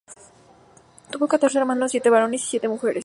Tuvo catorce hermanos, siete varones y siete mujeres.